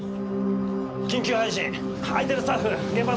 緊急配信空いてるスタッフ現場へ